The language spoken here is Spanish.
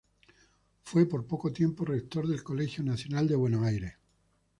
Fue, por poco tiempo, rector del Colegio Nacional de Buenos Aires.